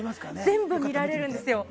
全部見られるんですよ。